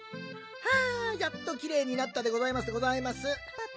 はあやっときれいになったでございますでございます。